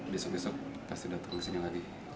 besok besok pasti datang kesini lagi